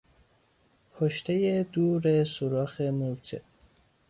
پشتهی دور سوراخ مورچه